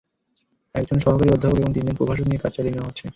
একজন সহকারী অ্যধ্যাপক এবং তিনজন প্রভাষক নিয়ে কাজ চালিয়ে নেওয়া হচ্ছে।